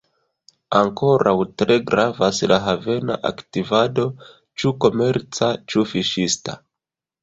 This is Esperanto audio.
Ankoraŭ tre gravas la havena aktivado, ĉu komerca, ĉu fiŝista.